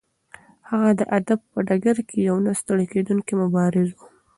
هغه د ادب په ډګر کې یو نه ستړی کېدونکی مبارز و.